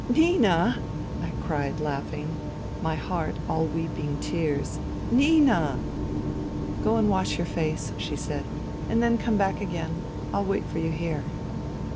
" Nina 1 " I cried laughing, my heart all weeping tears. " Nina !"" Go and wash your face," she said, " and then come back again. I'll wait for you here.'